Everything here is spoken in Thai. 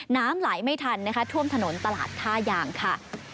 น้ำไหลไม่ทันนะคะท่วมถนนตลาดท่ายางค่ะ